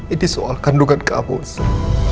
ini soal kandungan kamu elsa